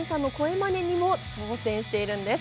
まねにも挑戦しているんです。